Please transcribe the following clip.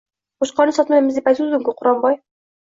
– Qo‘chqorni sotmaymiz deb aytuvdim-ku, Qironboy